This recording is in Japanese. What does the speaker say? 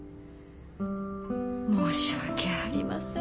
申し訳ありません。